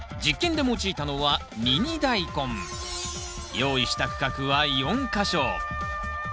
用意した区画は４か所。